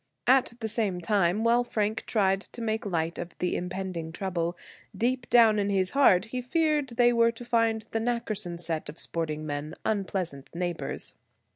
At the same time, while Frank tried to make light of the impending trouble, deep down in his heart he feared they were to find the Nackerson set of sporting men unpleasant neighbors.